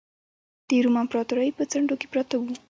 د روم امپراتورۍ په څنډو کې پراته وو.